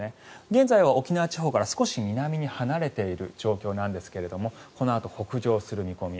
現在は沖縄地方から少し左に離れている状況なんですがこのあと北上する見込み。